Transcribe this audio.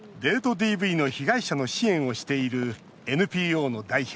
ＤＶの被害者の支援をしているＮＰＯの代表